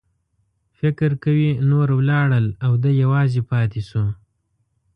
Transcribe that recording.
فکر کوي نور ولاړل او دی یوازې پاتې شو.